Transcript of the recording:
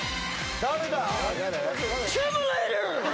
誰だ？